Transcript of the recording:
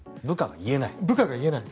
部下が言えない。